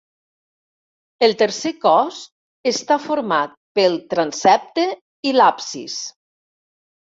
El tercer cos està format pel transsepte i l'absis.